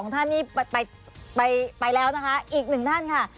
๒ท่านนี้ไปแล้วนะคะอีกหนึ่งท่านค่ะ